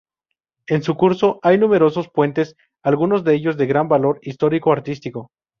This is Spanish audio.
En su curso hay numerosos puentes algunos de ellos de gran valor histórico-artístico.